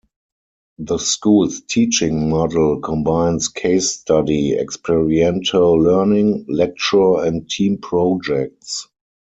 The school's teaching model combines case study, experiential learning, lecture and team projects.